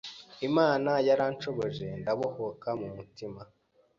Imana yaranshoboje ndabohoka mu mutima